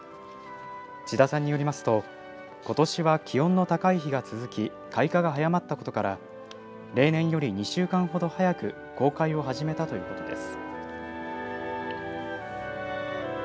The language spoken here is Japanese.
千田さんによりますとことしは気温の高い日が続き開花が早まったことから例年より２週間も早く公開を始めたということです。